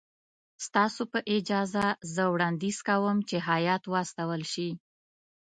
ستاسو په اجازه زه وړاندیز کوم چې هیات واستول شي.